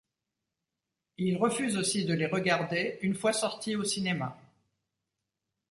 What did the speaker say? Il refuse aussi de les regarder une fois sortis au cinéma.